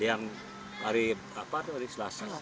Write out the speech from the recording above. yang hari selasa